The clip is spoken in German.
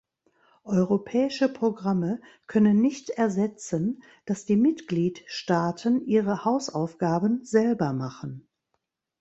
Europäische Programme können nicht ersetzen, dass die Mitgliedstaaten ihre Hausaufgaben selber machen.